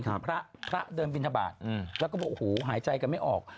คือพระเดิมวินทบาทแล้วก็บอกหูหายใจกันไม่ออก